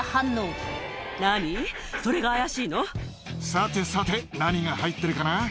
さてさて何が入ってるかな？